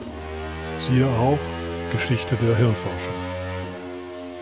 Siehe auch: Geschichte der Hirnforschung